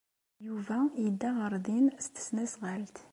Yuba yedda ɣer din s tesnasɣalt.